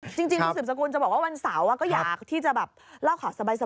จริงคุณสืบสกุลจะบอกว่าวันเสาร์ก็อยากที่จะแบบเล่าข่าวสบาย